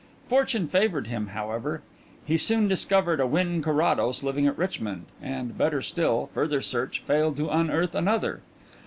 Fortune favoured him, however. He very soon discovered a Wynn Carrados living at Richmond, and, better still, further search failed to unearth another.